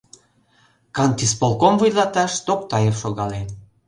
Кантисполком вуйлаташ Токтаев шогале.